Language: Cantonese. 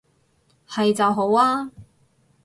係就好啊